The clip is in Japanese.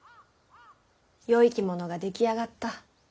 良い着物が出来上がった。